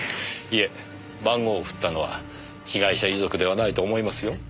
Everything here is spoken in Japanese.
いえ番号を振ったのは被害者遺族ではないと思いますよ。